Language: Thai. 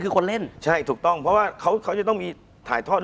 คุณผู้ชมบางท่าอาจจะไม่เข้าใจที่พิเตียร์สาร